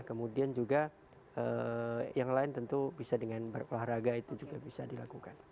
kemudian juga yang lain tentu bisa dengan berolahraga itu juga bisa dilakukan